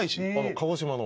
鹿児島の。